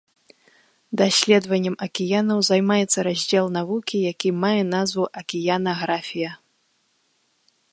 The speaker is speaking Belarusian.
Даследаваннем акіянаў займаецца раздзел навукі, які мае назву акіянаграфія.